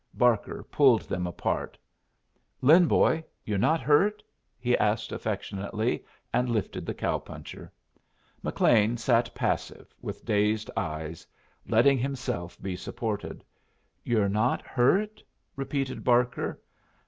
Barker pulled them apart. "Lin, boy, you're not hurt?" he asked, affectionately, and lifted the cow puncher. McLean sat passive, with dazed eyes, letting himself be supported. "You're not hurt?" repeated Barker.